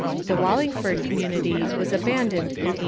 The Wallingford Community was abandoned in 1880.